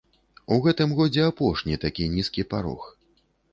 У гэтым годзе апошні такі нізкі парог.